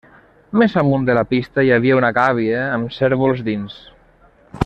Més amunt de la pista hi havia una gàbia amb cérvols dins.